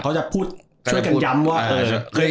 เขาจะพูดช่วยกันย้ำว่าเออเคยเป็นอย่างนี้